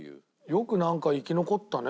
よくなんか生き残ったね